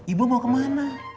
ibu mau kemana